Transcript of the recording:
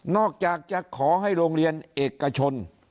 อกจากจะขอให้โรงเรียนเอกชน